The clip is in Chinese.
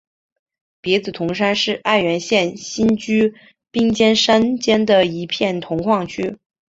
别子铜山是爱媛县新居滨市山间的一片铜矿区。